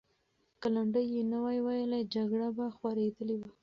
که لنډۍ یې نه وای ویلې، جګړه به خورېدلې وه.